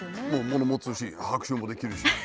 もの持つし拍手もできるし。